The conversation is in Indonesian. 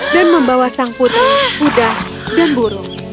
dan membawa sang putri budak dan burung